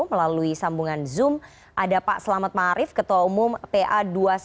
melalui sambungan zoom ada pak selamat ⁇ maarif ketua umum pa dua ratus dua belas